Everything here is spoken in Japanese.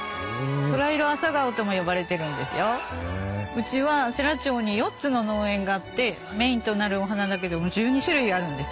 うちは世羅町に４つの農園があってメインとなるお花だけでも１２種類あるんです。